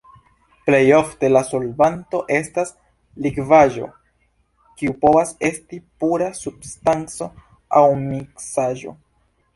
Plej ofte, la solvanto estas likvaĵo, kiu povas esti pura substanco aŭ miksaĵo.